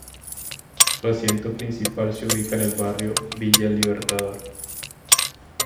Su asiento principal se ubica en barrio Villa El Libertador.